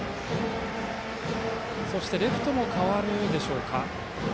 レフトも代わるでしょうか。